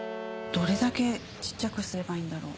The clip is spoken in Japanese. どれだけ小っちゃくすればいいんだろう？